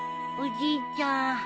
おじいちゃん。